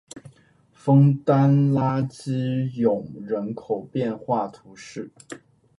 枫丹拉基永人口变化图示